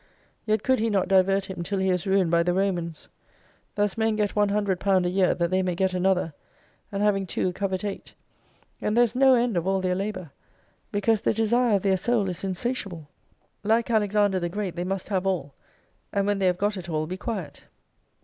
Yet could he not divert him till he was ruined by the Romans. Thus men get one hundred pound a year that they may get another ; and having two covet eight, and there is no end of all their labour ; because the desire of their Soul is insatiable. Like Alexander the Great they must have all: and when they have got it all, be quiet.